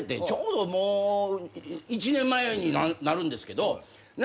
ちょうど１年前になるんですけど。